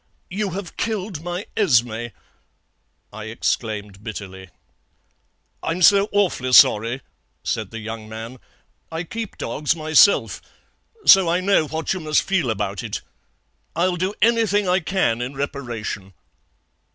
"'You have killed my Esmé,' I exclaimed bitterly. "'I'm so awfully sorry,' said the young man; I keep dogs myself, so I know what you must feel about it. I'll do anything I can in reparation.'